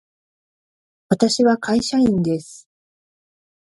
私は会社員です。